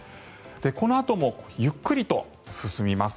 このあともゆっくりと進みます。